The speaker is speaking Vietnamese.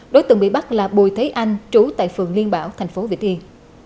đối tượng bị bắt là bùi thế anh trú tại phường liên bảo thành phố vĩnh yên